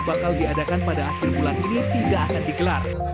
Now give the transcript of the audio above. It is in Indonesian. bakal diadakan pada akhir bulan ini tidak akan digelar